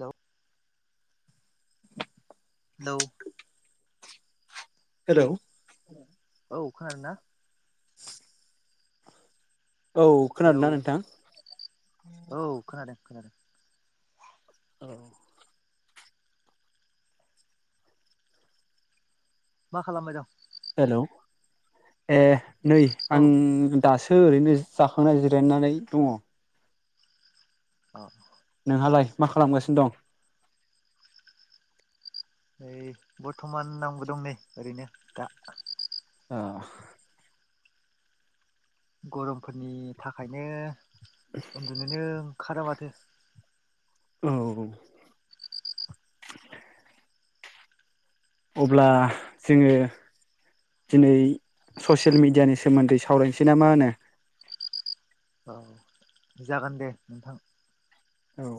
औ नौ हेलौ औ खोनादों ना औ औ खोनादों हेलौ ना नोंथां औ खोनादों खोनादों औ मा खालामबाय दं हेल' ए नै औ आं दासो थो ओरैनो जाखांनाय जिरायनानै दङ अ नोंहालाय मा खालामगासिनो दं ओइ बर्थ'मान नामबो दं नै ओरैनो दा ओ गरमफोरनि थाखायनो उन्दुुनोनो ओंखारा माथो औ अब्ला जोङो दिनै ससियेल मिडियानि सोमोन्दै सावरायनोसै ना मा होनो औ जागोन दे नोंथां औ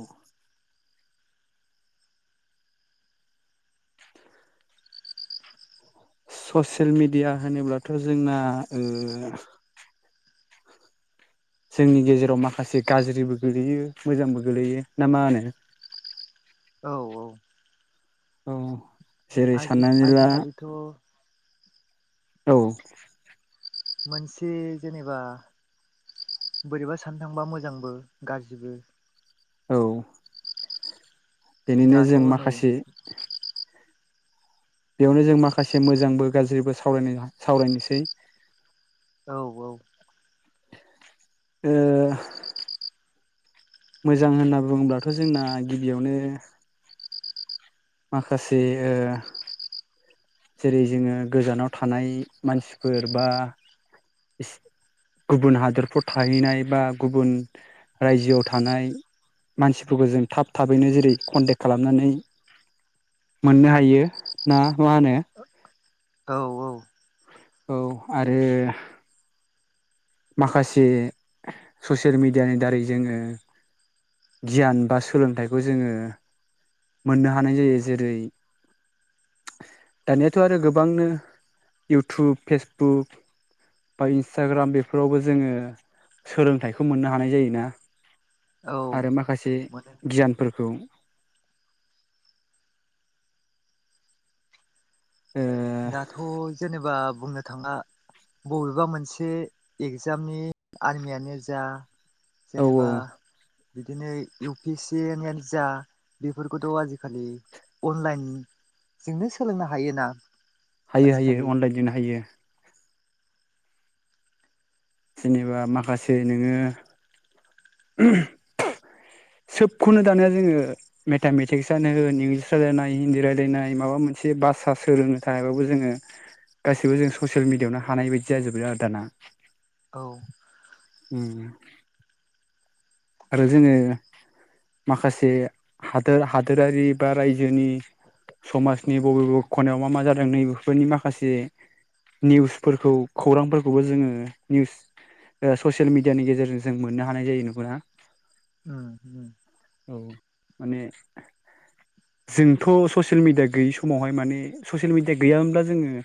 ससियेल मिडिया होनोब्लाथ' जोंना ओ जोंनि गेजेराव माखासे गाज्रिबो गोलैयो मोजांबो गोलैयो ना मा होनो औ औ औ जेरै आजि साननानै आजि ला खालिथ' औ मोनसे जेनेबा बोरैबा साननो थांङोबा मोजांबो गाज्रिबो औ बेनिनो दाथ' जों नै माखासे बेयावनो जों माखासे मोजांबो गाज्रिबो सावरायनो सावरायनोसै औ औ ओ मोजां होनना बुङोबथ' जोंना गिबियावनो माखासे ओ जेरै जोङो गोजानाव थानाय मानसिफोर बा इस गुबुन हादरफ्राव थाहैनाय बा गुबुन रायजोआव थानाय मानसिफोरखौ जों थाब थाबैनो जेरै कन्टेक खालामनानै मोननो हायो ना मा होनो औ औ औ आरो माखासे ससियेल मिडियानि दारै जोङो गियान बा सोलोंथाइखौ जोङो मोननो हानाय जायो जेरै दानियाथ' आरो गोबांनो इउटुब फेसबुक बा इन्सटाग्राम बेफोरावबो जोङो सोलोंथाइखौ मोननो हानाय जायोना औ आरो माखासे मोनो गियानफोरखौ ओ दाथ' जेनेबा बुंनो थाङा बबेबा मोनसे एगजामनि आर्मियानो जा ओ औ जेनेबा बिदिनो इउ पि इस सि नियानो जा बेफोरखौथ' आजिखालि अनलाइन जोंनो सोलोंनो हायोना हायो आजिखालि हायो अनलायन जोंनो हायो जेनेबा माखासे नोङो [unintelligible] [inaudible] सोबखौनो दानो जोङो मेथामेटिक्सआनो होन इंग्लिस रायज्लायनाय हिन्दी रायज्लायनाय माबा मोनसे बा बाथ्रा सोलोंनो थाखायबाबो जोङो गासैबो जों ससियेल मिडिआवनो हानाय बायदि जाजोबाय आरो दाना औ उम आरो जोङो माखासे हादोर हादोरारि बा रायजोनि समाजनि बबे बबे खनायाव मा मा जादों नैबेफोरनि माखासे निउसफोरखौ खौरांफोरखौबो जोङो निउस ओ ससियेल मिडियानि गेजेरजों जों मोननो हानाय जायो नंगौना। उम उम। औ माने जोंथ' ससियेल मिडिया गैयि समावहाय माने ससियेल मिडिया गैयामोनब्ला जोङो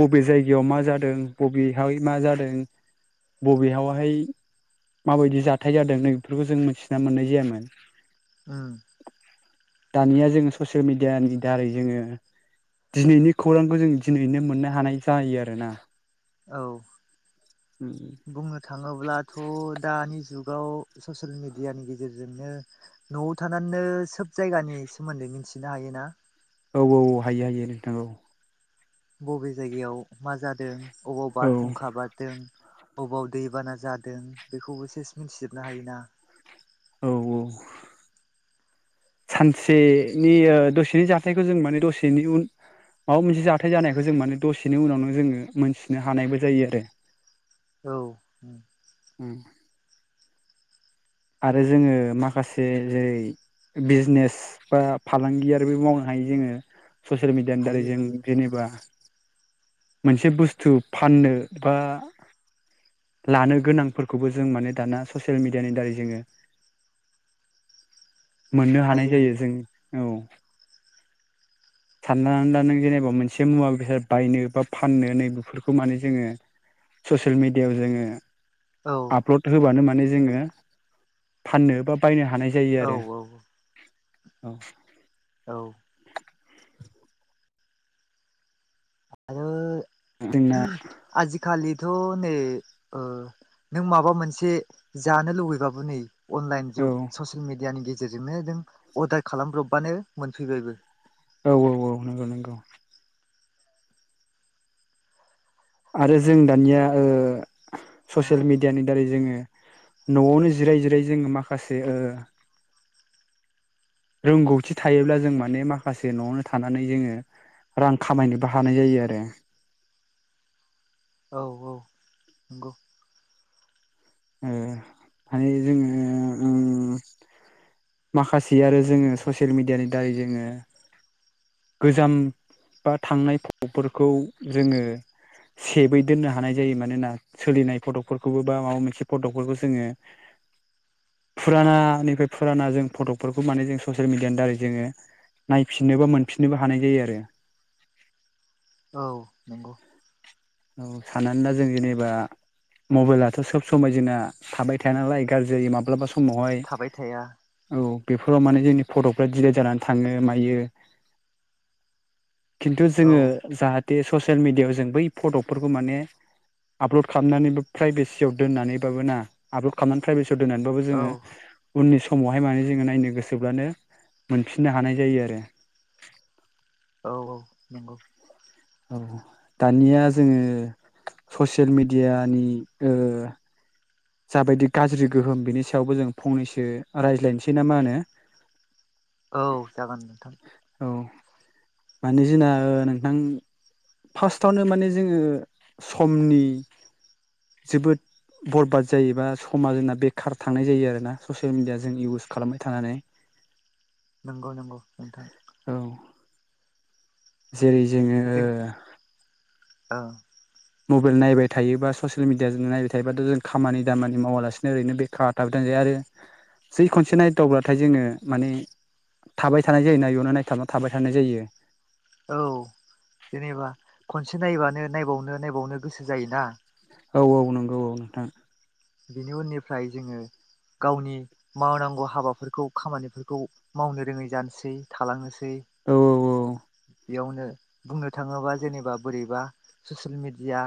बबे जायगायाव मा जादों बबेहाय मा जादों बबेयावहाय माबायदि जाथाइ जादों बेफोरखौ जों मिथिना मोननाय जायामोन। उम। दानिया जोङो ससियेल मिडियानि दारै जोङो दिनैनि खौरांखौ जों दिनैनो मोननो हानाय जायो आरोना। औ उम। बुंनो थाङोब्लाथ' दानि जुग गाव ससियेल मिडियानि गेजेरजोंनो न'आव थानानैनो सोब जायगानि सोमोन्दै मिन मथिनो हायोना। औ औ औ हायो हायो नोंथां औ। बबे जायगायाव मा जादों अबाव औ बारहुंखा बारदों। ब'बाव दैबाना जादों बेखौबो सेस मिथिजोबनो हायोना। औ औ। सानसेनि दसेनि जाथायखौ जों माने दसेनि उन माबा मोनसे जाथाय जानायखौ जों माने दसेनि उनावनो जोङो मोनथिनो हानायबो जायो आरो। औ। उम। आरो जोङो माखासे जेरै बिजिनेस बा फालांगि आरिबो मावनो हायो जोङो। ससियेल मिडियानि दारै हायो जों हायो जेनेबा मोनसे बुस्थु फाननो बा लानो गोनांफोरखौबो जों माने दाना ससियेल मिडियानि दारै जोङो मोननो हानाय हायो जायो हायो जों। [inaudible] सानना ला नों जेनेबा मोनसे मुवा बेसाद बायनो बा फाननो नै बेफोरखौ माने जोङो ससियेल मिडियाआव जोङो औ आपलड होबानो माने जोङो फाननो बा बायनो हा हानाय जायो औ आरो औ औ। औ। आरो [unintelligible] खालिथ' नै ओ नों माबा मोनसे जानो लुबैबाबो नै अनलाइन औ जुग ससियेल मिडियानि गेजेरजोंनो नों अर्डार खालामब्रबबानो मोनफैबायबो। औ औ औ नंगौ नंगौ। आरो जों दानिया ओ दा ससियेल मिडियानि दारै जोङो न'आवनो जिराय जिराय जोङो माखासे ओ रोंगौथि थायोब्ला जों माने माखासे न'आवनो थानानै जोङो रां खामायनोबो हानाय जायो आरो। औ औ नंगौ। ओ माने जोङो उम माखासे आरो जोङो ससियेल मिडियानि दारै जोङो गोजाम बा थांनाय फटक फोरखौ जोङो सेबै दोननो हानाय जायो मानोना सोलिनाय फट'फोरखौबो बा माबा मोनसे फट'फोरखौ जोङो फुरानानिफ्राय फुराना जों फट'फोरखौ माने जों ससियेल मिडियानि दारै जोङो नायफिननोबा मोनफिननोबो हानाय जायो आरो। [inaudible] औ नंगौ। औ सानानोना जों जेनेबा मबाइलाथ' सब समाय जोना थाबाय थाया नालाय गाज्रि जायो माब्लाबा समावहाय थाबाय थाया औ। बेफोराव माने जोंनि फट'फ्रा दिलेट जानानै थाङो मायो। खिन्थु औ जोङो जाहाथ थे ससियेल मिडियाआव जों बै फट'फोरखौ माने आपलड खालामनानैबो प्राइभेसियाव दोननानैबाबो ना आपलड खालामनानै प्राइभेसआव दोननानैबाबो औ जोङो उननि समावहाय माने जोङो नायनो गोसोब्लानो मोनफिननो हानाय जायो आरो। औ औ नंगौ। औ दानिया जोङो ससियेल मिडियानि ओ जाबायदि गाज्रि गोहोम बिनि सायावबो जों फंनैसो रायज्लायनोसै ना मा होनो? औ जागोन नोंथां। मानि जोंना ओह नोंथां फार्स्टआवनो माने जोङो समनि जोबोद बरबाद जायोबा समाजोंना बेखार थांनाय जायो आरोना ससियेल मिडिया जों इउस खालामबाय थानानै। नंगौ नंगौ नोंथां। औ जेरै जोङो ओं। मबेल नायबाय थायो बा ससियेल मिडियाजोंनो नायबाय थायो बाथ' जों खामानि दामानि मावालासिनो ओरैनो बेखार थाबाय थानाय जायो आरो जि खनसे नायदावब्लाथाय जोङो माने थाबाय थानाय जायोना एयावनो नायथाबना थाबाय थानाय जायो औ जेनेबा खनसे नायबानो नायबावनो नायबावनो गोसो जायोना औ औ नंगौ औ नोंथां बिनि उननिफ्राय जोङो गावनि मावनांगौ हाबाफोरखौ खामानिफोरखौ मावनो रोङै जानोसै थालांनो सै औ बेयावनो बुंनो थाङोबा जेनेबा बोरैबा ससिल मिड दिया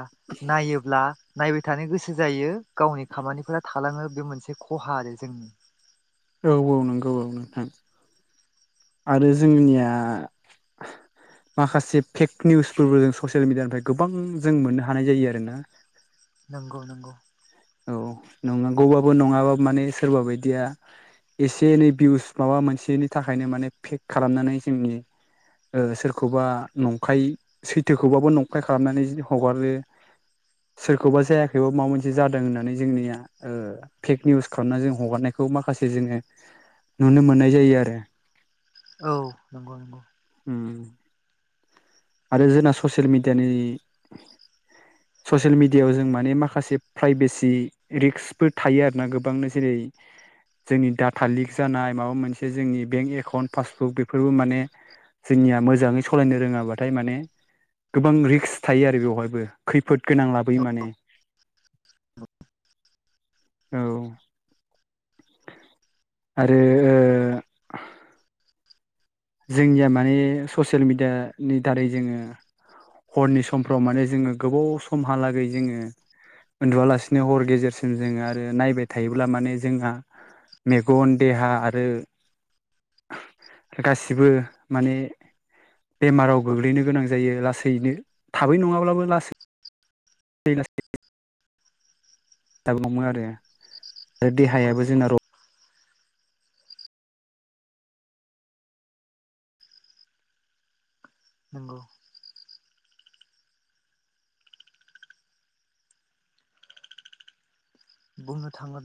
नायोब्ला नायबाय थानो गोसो जायो गावनि खामानिफोरा थालाङो बे मोनसे खहा आरो जोंनि औ औ नंगौ औ नोंथां आरो जोंनिया माखासे फेक निउसफोरबो जों ससियेल मिडियानिफ्राय गोबां जों मोननो हानाय जायो आरोना नोंगौ नोंगौ औ नंनांगौबाबो नङाब्लाबो माने सोरबा बायदिया एसे एनै भिउस माबा मोनसेनि थाखायनो माने पेक खालामनानै जोंनि ओ सोरखौबा नंखाय सैथोखौबाबो नंखाय खालामनानै हगारो सोरखौबा जायाखैबा माबा मोनसे जादों होननानै जोंनिया फेक निउस खालामनानै जों हगारनाय खौ माखासे जोङो नुनो मोननाय जायो आरो औ नंगौ नंगौ उम आरो जोंना ससियेल मिडियानि ससियेल मिडियायाव जों माने माखासे प्राइभेसि रिक्सफोर थायो आरोना गोबांनो जेरै [inaudible] जोंनि डाटा लिक जानाय माबा मोनसे जोंनि बेंक एकाउन्ट पासबुक बेफोरबो माने जोंनिया मोजाङै सालायनो रोङाब्लाथाय माने गोबां रिक्स थायो आरो बेवहायबो खैफोद गोनां लाबोयो माने। औ औ आरो जोंनिया माने ससियेल मिडियानि दारै जोङो। हरनि समफ्राव माने जोङो गोबाव समहालागै जोङो उन्दुवालासिनो हर गेजेरसिम जोङो आरो नायबाय थायोब्ला माने जोंहा मेगन देहा आरो [inaudible] गासिबो माने बेमाराव गोग्लैनो गोनां जायो लासैनो थाबै नङाब्लाबो लासै [unintelligible] हमो आरो आरो नंगौ देहायाबो नंगौ जोंना रब नंगौ बुंनो थाङो